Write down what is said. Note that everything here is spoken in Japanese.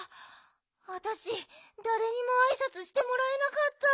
わたしだれにもあいさつしてもらえなかった。